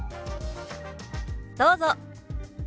どうぞ。